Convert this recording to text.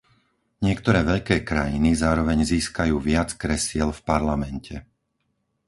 Niektoré veľké krajiny zároveň získajú viac kresiel v Parlamente.